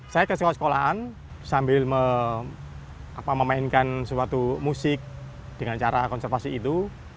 saya ke sekolah sekolahan sambil memainkan suatu musik dengan cara konservasi itu